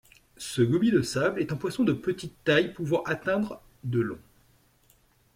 Ce Gobie de sable est un poisson de petite taille pouvant atteindre de long.